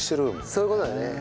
そういう事だね。